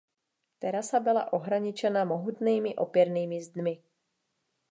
Terasa byla ohraničena mohutnými opěrnými zdmi.